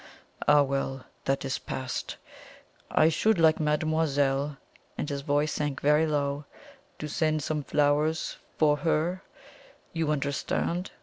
Ah well, that is past! I should like, mademoiselle," and his voice sank very low, "to send some flowers for her you understand?"